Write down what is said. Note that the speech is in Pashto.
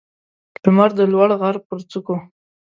لمر د لوړ غر پر څوکو